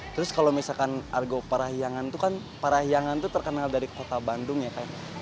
terus kalau misalkan argo parahiangan itu kan parahiangan itu terkenal dari kota bandung ya kan